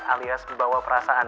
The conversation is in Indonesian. alias membawa perasaan